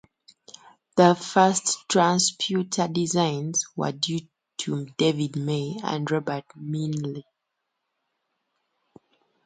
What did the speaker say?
The first transputer designs were due to David May and Robert Milne.